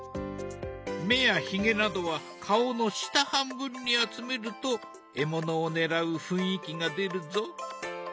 目やひげなどは顔の下半分に集めると獲物を狙う雰囲気が出るぞ。